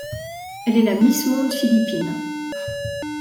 Elle est la Miss Monde Philippines.